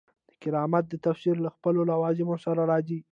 د کرامت دا تفسیر له خپلو لوازمو سره راځي.